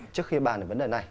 trước khi bàn về vấn đề này